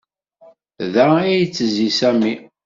Da ay yettezzi Sami.